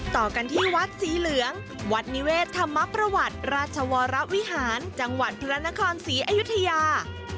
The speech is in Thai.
ต่อกันที่วัดสีเหลืองวัดนิเวศธรรมประวัติราชวรวิหารจังหวัดพระนครศรีอยุธยา